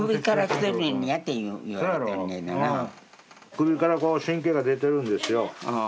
首からこう神経が出てるんですよ。